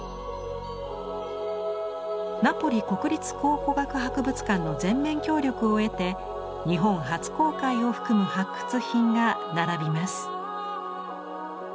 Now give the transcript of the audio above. ナポリ国立考古学博物館の全面協力を得て日本初公開を含む発掘品が並びます。